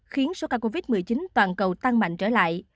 khiến số ca covid một mươi chín toàn cầu tăng mạnh trở lại